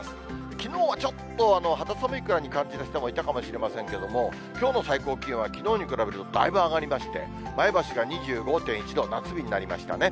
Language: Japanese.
きのうはちょっと肌寒いくらいに感じる人もいたかもしれませんけれども、きょうの最高気温は、きのうに比べるとだいぶ上がりまして、前橋が２５．１度、夏日になりましたね。